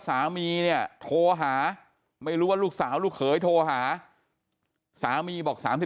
สามีเนี่ยโทรหาไม่รู้ว่าลูกสาวลูกเขยโทรหาสามีบอก๓๔